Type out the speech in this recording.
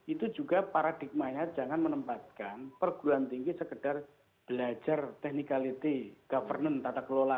itu juga paradigmanya jangan menempatkan perguruan tinggi sekedar belajar technicality governance tata kelola